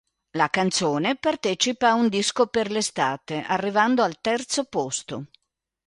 La canzone partecipa a Un disco per l'estate arrivando al terzo posto.